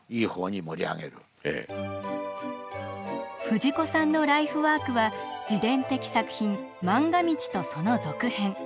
藤子さんのライフワークは自伝的作品「まんが道」とその続編。